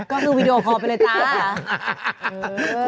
ก็ดูวิดีโอคอล์ไปเลยจ้ะ